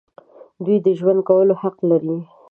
دوی د ژوند کولو حق لري.